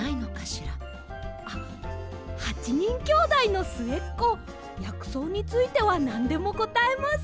あっ８にんきょうだいのすえっこやくそうについてはなんでもこたえます。